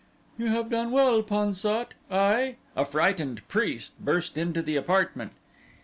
"You have done well, Pan sat, I " A frightened priest burst into the apartment.